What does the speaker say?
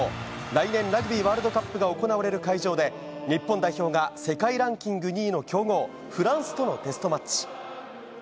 来年ラグビーワールドカップが行われる会場で日本代表が世界ランキング２位の強豪フランスとのテストマッチ。